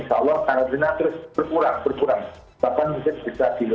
jadi sekali lagi semoga kondisi baik